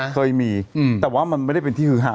เคยมีแต่ว่ามันไม่ได้เป็นที่ฮือฮา